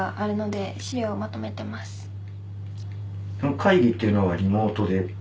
会議っていうのはリモートで？